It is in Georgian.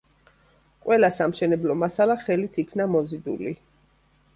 ყველა სამშენებლო მასალა ხელით იქნა მოზიდული.